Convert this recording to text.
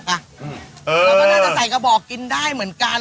เราก็น่าจะใส่กระบอกกินได้เหมือนกัน